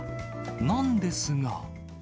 なんですが。